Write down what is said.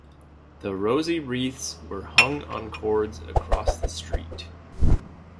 The rosy wreaths were hung on cords across the street.